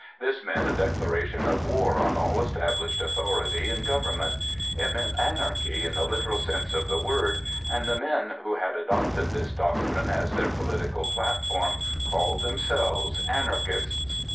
This meant a declaration of war on all established authority and government. It meant anarchy in the literal sense of the word, and the men who had adopted this doctrine as their political platform called themselves Anarchists.